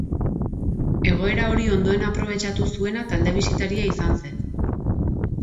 Egoera hori ondoen aprobetxatu zuena talde bisitaria izan zen.